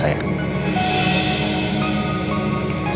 saya kelihatan main main